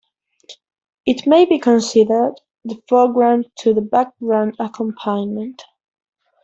It may be considered the foreground to the background accompaniment.